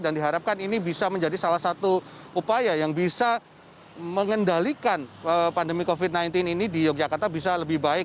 dan diharapkan ini bisa menjadi salah satu upaya yang bisa mengendalikan pandemi covid sembilan belas ini di yogyakarta bisa lebih baik